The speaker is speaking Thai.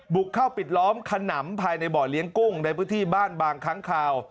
บุกเข้าปิดล้อมขนำภายในบ่อเลี้ยงกุ้งในพื้นที่บ้านบางครั้งคาว